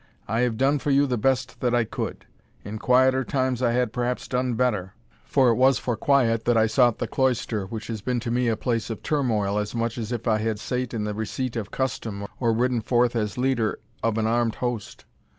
I have done for you the best that I could; in quieter times I had perhaps done better, for it was for quiet that I sought the cloister, which has been to me a place of turmoil, as much as if I had sate in the receipt of custom, or ridden forth as leader of an armed host.